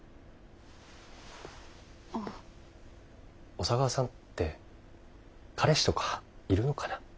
小佐川さんって彼氏とかいるのかな？